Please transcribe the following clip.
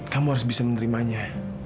kamu harus bisa menerimanya